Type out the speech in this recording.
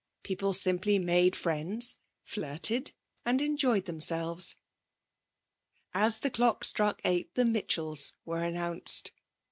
People simply made friends, flirted, and enjoyed themselves. As the clock struck eight the Mitchells were announced.